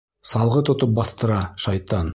— Салғы тотоп баҫтыра, шайтан.